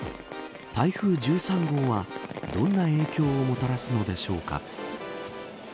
台風１３号はどんな影響をもたらすのでしょうか。